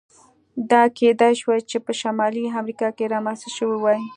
دا کېدای شوای چې په شمالي امریکا کې رامنځته شوی وای.